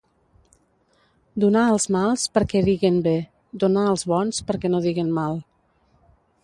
Donar als mals perquè diguen bé, donar als bons perquè no diguen mal.